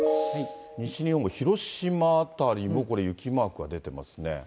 西日本も広島辺りも、これ、雪マークが出てますね。